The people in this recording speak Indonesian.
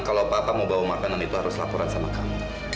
kalau bapak mau bawa makanan itu harus laporan sama kami